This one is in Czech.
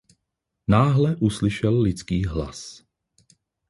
Náhle uslyšel lidský hlas.